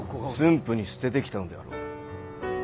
府に捨ててきたのであろう。